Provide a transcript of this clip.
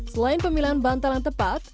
selain pemilihan bantal yang tepat